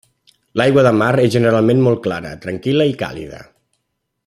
L'aigua de mar és generalment molt clara, tranquil·la i càlida.